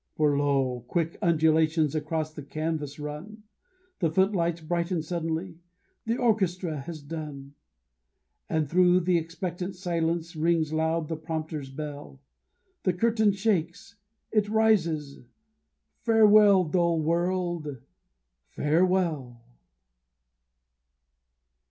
For lo, quick undulations across the canvas run; The foot lights brighten suddenly, the orchestra has done; And through the expectant silence rings loud the prompter's bell; The curtain shakes, it rises. Farewell, dull world, farewell!